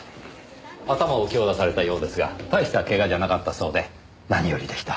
頭を強打されたようですが大したケガじゃなかったそうで何よりでした。